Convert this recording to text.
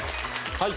はい！